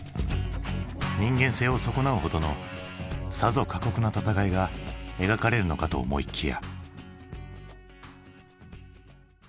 人間性を損なうほどのさぞ過酷な戦いが描かれるのかと思いきや。